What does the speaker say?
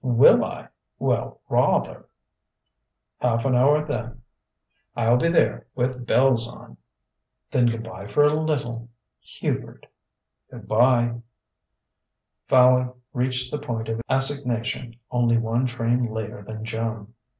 "Will I! Well, rawther!" "Half an hour, then " "I'll be there, with bells on!" "Then good bye for a little Hubert." "Good bye." Fowey reached the point of assignation only one train later than Joan.